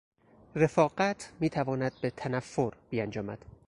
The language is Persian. رفاقت میتواند به تنفر بیانجامد.